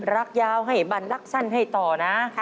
รักยาวให้บันรักสั้นให้ต่อนะ